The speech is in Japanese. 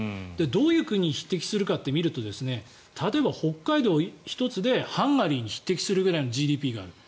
どういう国に匹敵するかと見ると例えば北海道１つでハンガリーに匹敵するくらいのＧＤＰがある。